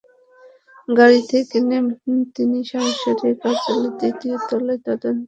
গাড়ি থেকে নেমে তিনি সরাসরি কার্যালয়ের দ্বিতীয় তলায় তদন্ত কর্মকর্তার কক্ষে ঢোকেন।